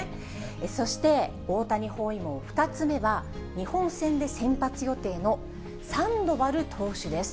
そして、大谷包囲網２つ目は、日本戦で先発予定のサンドバル投手です。